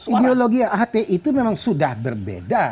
ideologi hti itu memang sudah berbeda